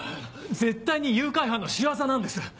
絶対に誘拐犯の仕業なんです！